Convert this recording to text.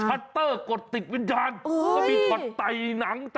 ชัตเตอร์กดติดวินยาลแล้วมีกดใส่หนัง